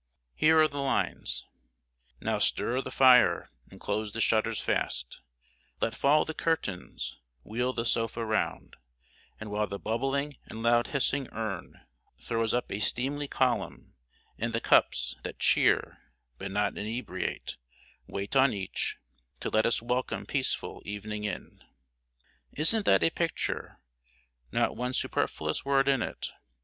Here are the lines: "Now stir the fire, and close the shutters fast; Let fall the curtains; wheel the sofa round; And while the bubbling and loud hissing urn Throws up a steamly column, and the cups That cheer, but not inebriate, wait on each, To let us welcome peaceful evening in." Isn't that a picture? Not one superfluous word in it!